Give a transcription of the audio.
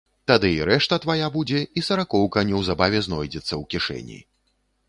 Тады і рэшта твая будзе і саракоўка неўзабаве знойдзецца ў кішэні.